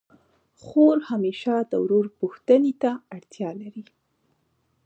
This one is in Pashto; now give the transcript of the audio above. خور همېشه د ورور پوښتني ته اړتیا لري.